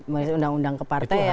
reformasi undang undang kepartean